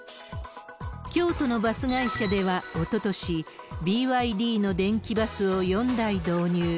京都のバス会社ではおととし、ＢＹＤの電気バスを４台導入。